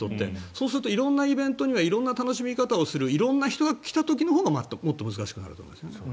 そうすると色んなイベントには色んな楽しみ方をする色んな人が来た時のほうがもっと難しくなると思うんです。